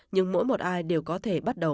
nhưng mỗi một ai đều có thể bắt đầu